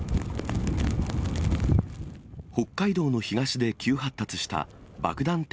北海道の東で急発達した爆弾